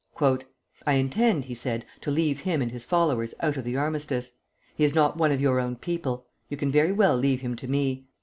"I intend," he said, "to leave him and his followers out of the armistice. He is not one of your own people. You can very well leave him to me.